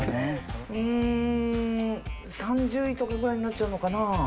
うーん３０位とかぐらいになっちゃうのかな？